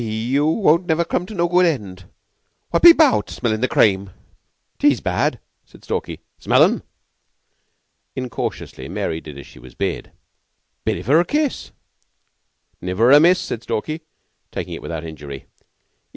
Yeou won't niver come to no good end. Whutt be 'baout, smellin' the cream?" "'Tees bad," said Stalky. "Zmell 'un." Incautiously Mary did as she was bid. "Bidevoor kiss." "Niver amiss," said Stalky, taking it without injury.